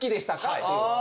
っていう。